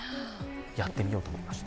やってみようと思いました。